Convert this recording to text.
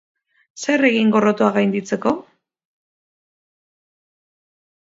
Zer egin gorrotoa gainditzeko?